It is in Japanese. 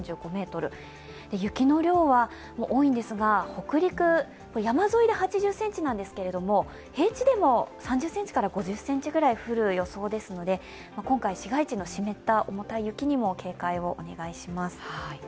雪の量は多いのですが、北陸、山沿いで８０ｃｍなんですけれども、平地でも、３０ｃｍから５０ｃｍぐらい降る予想ですので今回、市街地の湿った重たい雪にも警戒をお願いします。